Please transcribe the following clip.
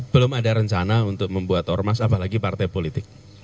belum ada rencana untuk membuat ormas apalagi partai politik